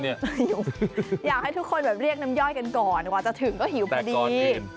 อยากให้ทุกคนแบบเรียกน้ำย่อยกันก่อนกว่าจะถึงก็หิวพอดี